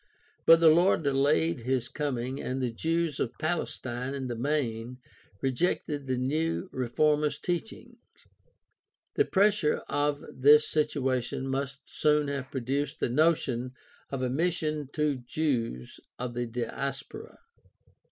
But the Lord delayed his coming and the Jews of Palestine in the main rejected the new reformers' teaching. The pressure of this situation must soon have produced the notion of a mission to Jews of the Diaspora.